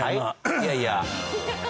いやいや。